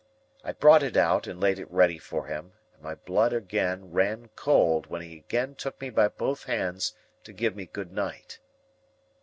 I brought it out, and laid it ready for him, and my blood again ran cold when he again took me by both hands to give me good night.